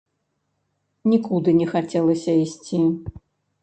Нікуды не хацелася ісці.